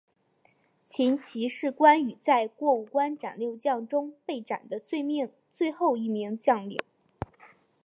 秦琪是关羽在过五关斩六将中被斩的最后一名将领。